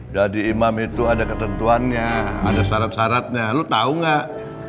jadi imam itu ada ketentuannya ada syarat syaratnya lu tau gak